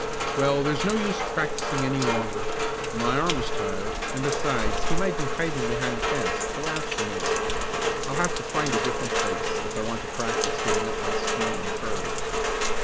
"Well, there's no use practicing any longer. My arm is tired, and besides he might be hiding behind the fence to laugh some more. I'll have to find a different place if I want to practice getting up my speed and curves."